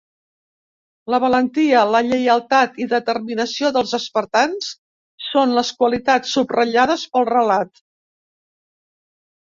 La valentia, la lleialtat i determinació dels espartans són les qualitats subratllades pel relat.